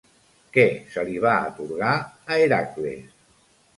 Què se li va atorgar a Hèracles?